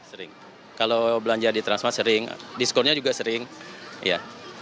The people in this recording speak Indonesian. sering kalau belanja di transmart sering diskonnya juga sering ya